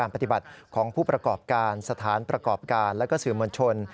ปฏิบัติของผู้ประกอบการสถานประกอบการและก็สื่อมวลชน